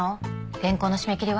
原稿の締め切りは？